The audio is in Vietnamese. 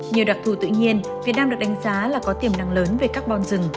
nhiều đặc thù tự nhiên việt nam được đánh giá là có tiềm năng lớn